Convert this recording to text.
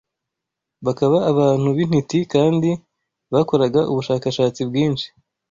bakaba abantu b’intiti kandi bakoraga ubushakashatsi bwinshi